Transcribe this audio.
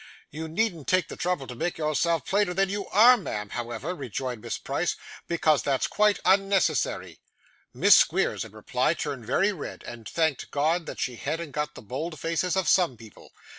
'You needn't take the trouble to make yourself plainer than you are, ma'am, however,' rejoined Miss Price, 'because that's quite unnecessary.' Miss Squeers, in reply, turned very red, and thanked God that she hadn't got the bold faces of some people.